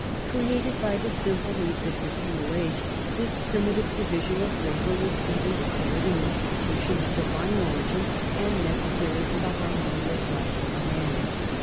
Created by the simple needs of the feudal age, this primitive division of labor was even declared an institution of divine origin and necessary to the har monious life of man.